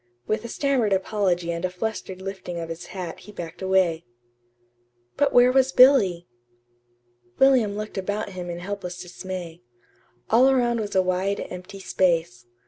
With a stammered apology and a flustered lifting of his hat he backed away. But where was Billy? William looked about him in helpless dismay. All around was a wide, empty space.